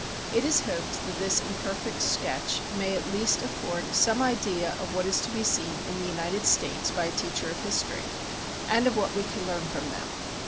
"It is hoped that this imperfect sketch may at least afford some idea of what is to be seen in the United States by a teacher of history, and of what we can learn from them.